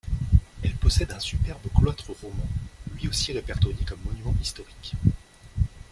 Elle possède un superbe cloître roman, lui aussi répertorié comme monument historique.